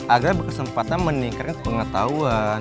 agar berkesempatan meningkatkan pengetahuan